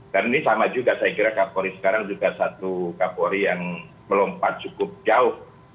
dan ini sama juga saya kira kapolri sekarang juga satu kapolri yang melompat cukup jauh